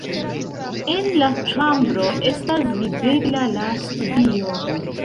En la ĉambro estas videbla la studio.